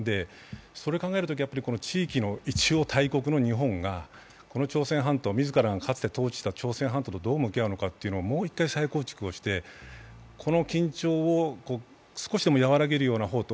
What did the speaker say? それ考えるときに地域の一応、大国の日本が以前占領していた朝鮮半島とどう向き合うのかというのを、もう一回再構築をしてこの緊張を少しでも和らげるような方途